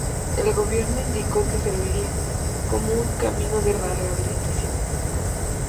El gobierno indicó que serviría como un "camino a la rehabilitación".